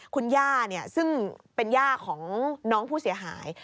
คุณย่าซึ่งเป็นย่าของน้องผู้เสียหาย